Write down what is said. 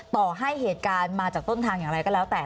ต่อให้เหตุการณ์มาจากต้นทางอย่างไรก็แล้วแต่